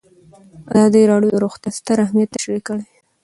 ازادي راډیو د روغتیا ستر اهميت تشریح کړی.